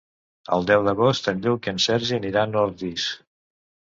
El deu d'agost en Lluc i en Sergi aniran a Ordis.